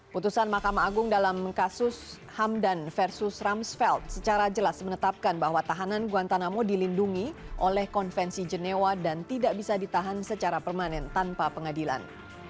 putusan mahkamah agung dalam kasus hamdan versus ramsvelt secara jelas menetapkan bahwa tahanan guantanamo dilindungi oleh konvensi genewa dan tidak bisa ditahan secara permanen tanpa pengadilan